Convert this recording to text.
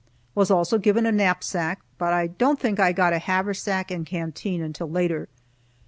Was also given a knapsack, but I think I didn't get a haversack and canteen until later.